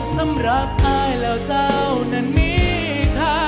สำหรับตายแล้วเจ้านั้นมีค่า